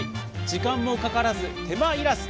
時間もかからず手間いらず。